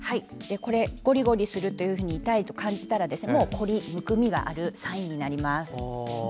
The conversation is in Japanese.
ゴリゴリする痛いと感じたら懲り、むくみがあるサインになります。